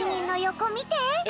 こみて。